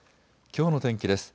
きょうの天気です。